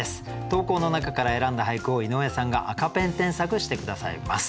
投稿の中から選んだ俳句を井上さんが赤ペン添削して下さいます。